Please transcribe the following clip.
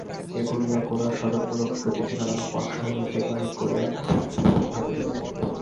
এই বলিয়া গোরার সযত্নরক্ষিত চিঠিখানি বাক্স হইতে বাহির করিয়া সুচরিতার হাতে দিলেন।